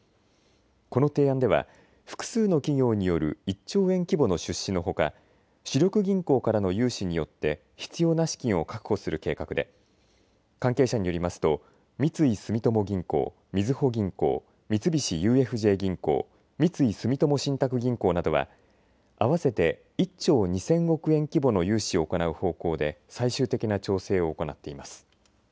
この提案では複数の企業による１兆円規模の出資のほか主力銀行からの融資によって必要な資金を確保する計画で関係者によりますと三井住友銀行、みずほ銀行、三菱ＵＦＪ銀行、三井住友信託銀行などは合わせて１兆２０００億円規模の融資を行う方向で最終的な調整を行っています。